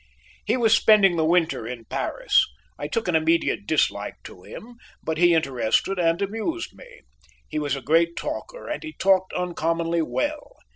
He was spending the winter in Paris. I took an immediate dislike to him, but he interested and amused me. He was a great talker and he talked uncommonly well.